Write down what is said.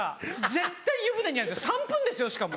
絶対湯船に入るんです３分ですよしかも。